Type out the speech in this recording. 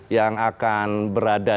yang akan berada